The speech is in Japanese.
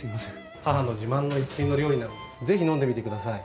義母の自慢の一品の料理なんで是非飲んでみてください。